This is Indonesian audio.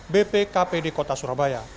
bpkpd kota surabaya